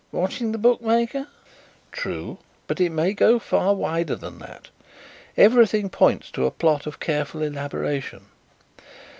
"Watching the bookmaker." "True, but it may go far wider than that. Everything points to a plot of careful elaboration.